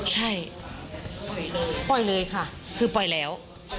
ใช่ปล่อยเลยค่ะคือปล่อยแล้ว